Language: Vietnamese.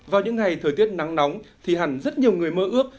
vào những ngày thời tiết nắng nóng thì hẳn rất nhiều người mơ ước